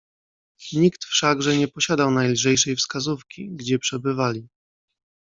"Nikt wszakże nie posiadał najlżejszej wskazówki, gdzie przebywali."